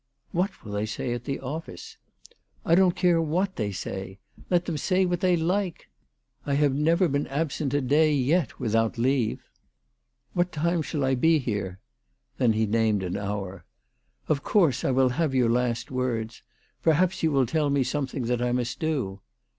" What will they say at the office ?"" I don't care what they say. Let them say what they like. I have never been absent a day yet with 314 THE TELEGRAPH GIRL. out leave. What time shall I be here ?" Then he named an hour. " Of course I will have your last words. Perhaps you will tell me something that I must do."